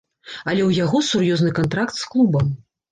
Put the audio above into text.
Але ў яго сур'ёзны кантракт з клубам.